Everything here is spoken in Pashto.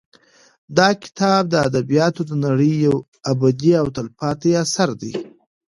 دا کتاب د ادبیاتو د نړۍ یو ابدي او تلپاتې اثر دی.